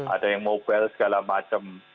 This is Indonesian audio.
ada yang mobile segala macam